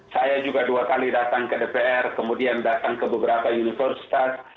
saya juga dua kali datang ke dpr kemudian datang ke beberapa universitas